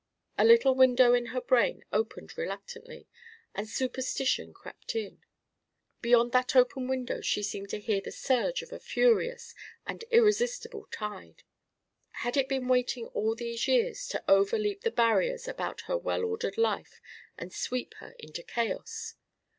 A little window in her brain opened reluctantly, and superstition crept in. Beyond that open window she seemed to hear the surge of a furious and irresistible tide. Had it been waiting all these years to overleap the barriers about her well ordered life and sweep her into chaos?